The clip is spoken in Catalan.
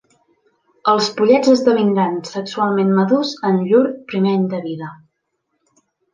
Els pollets esdevindran sexualment madurs en llur primer any de vida.